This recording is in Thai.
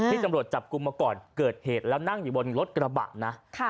ตำรวจจับกลุ่มมาก่อนเกิดเหตุแล้วนั่งอยู่บนรถกระบะนะ